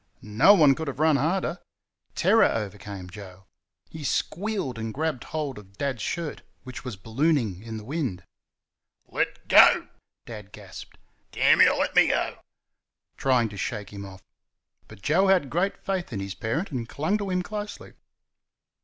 No one could have run harder. Terror overcame Joe. He squealed and grabbed hold of Dad's shirt, which was ballooning in the wind. "Let go!" Dad gasped. "DAMN Y', let me GO! " trying to shake him off. But Joe had great faith in his parent, and clung to him closely.